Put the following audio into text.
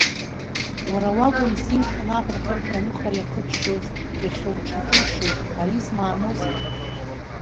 Уара уакумзи, мшәан, аҟырҟырҳәа аныха иахыччоз, иахьа уҽаҿушьуеит, ари змааноузеи?